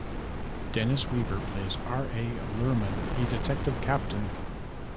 Dennis Weaver plays R. A. Lohrman, a detective captain.